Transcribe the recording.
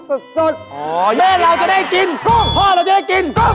พ่อเราจะได้กินกุ้ง